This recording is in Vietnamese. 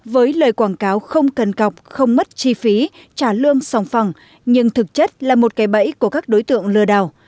với lời quảng cáo không cần cọc không mất chi phí trả lương song phẳng nhưng thực chất là một cái bẫy của các đối tượng lừa đảo